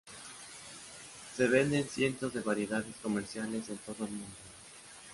Se venden cientos de variedades comerciales en todo el mundo.